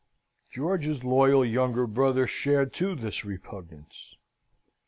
George's loyal younger brother shared too this repugnance.